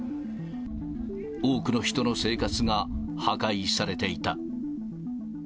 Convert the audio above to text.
多くの人の生活が破壊されていた。